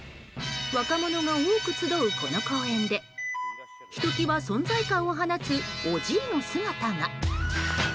若者が多く集うこの公園でひときわ存在感を放つオジーの姿が。